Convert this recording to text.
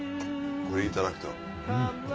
これいただくと。